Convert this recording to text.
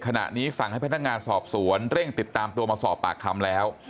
ขณะนี้สั่งให้พนักงานสอบสวนเร่งติดตามตัวมาสอบปากคำแล้ว